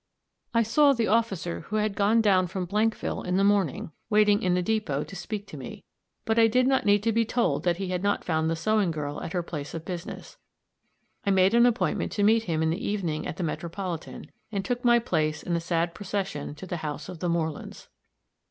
I saw the officer who had gone down from Blankville in the morning, waiting in the depot to speak to me; but I did not need to be told that he had not found the sewing girl at her place of business. I made an appointment to meet him in the evening at the Metropolitan, and took my place in the sad procession to the house of the Morelands.